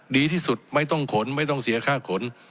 ดีที่สุดไม่ต้องขนไม่ต้องเสียค่าขน